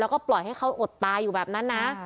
แล้วก็ปล่อยให้เขาอดตายอยู่แบบนั้นนะ